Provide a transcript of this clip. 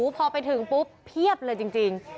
พอไปถึงปุ๊บเพียบเลยจริง